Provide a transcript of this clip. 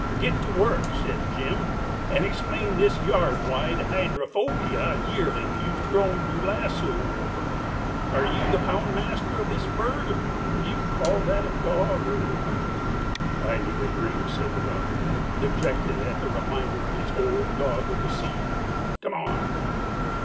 "Get to work," said Jim, "and explain this yard wide hydrophobia yearling you've throwed your lasso over. Are you the pound master of this burg? Do you call that a dog or what?" "I need a drink," said the dogman, dejected at the reminder of his old dog of the sea. "Come on."